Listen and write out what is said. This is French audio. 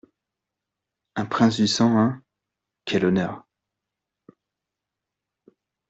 Un prince du sang, hein ! quel honneur !